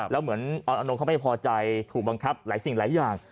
แล้วเหมือนออนอนงเขาไม่พอใจถูกบังคับหลายสิ่งหลายอย่าง